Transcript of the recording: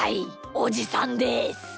おじさんです。